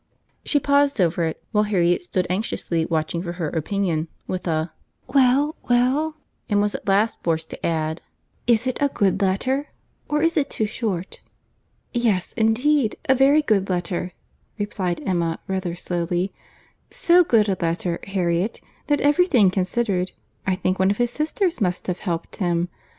She paused over it, while Harriet stood anxiously watching for her opinion, with a "Well, well," and was at last forced to add, "Is it a good letter? or is it too short?" "Yes, indeed, a very good letter," replied Emma rather slowly—"so good a letter, Harriet, that every thing considered, I think one of his sisters must have helped him.